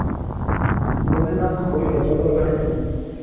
নলিনাক্ষ কহিল, ব্যাপারখানা কী?